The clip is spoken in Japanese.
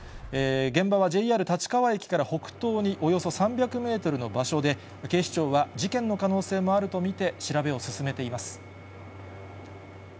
現場はＪＲ立川駅から北東におよそ３００メートルの場所で、警視庁は事件の可能性もあると見て調べを進めています。